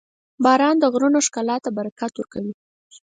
• باران د غرونو ښکلا ته برکت ورکوي.